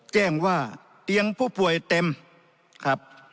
แจ้งว่าเตียงผู้ป่วยเต็มครับ